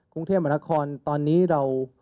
กรุงเทพมหานครตอนนี้เรา